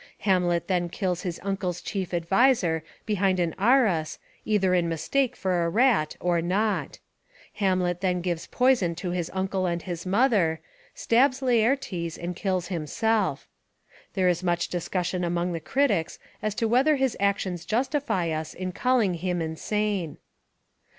Hamlet then kills his uncle's chief ad viser behind an arras either in mistake for a rat, or not. Hamlet then gives poison to his uncle and his mother, stabs Laertes and kills himself. There is much discussion among the critics as to whether his actions justify us in calling him insane."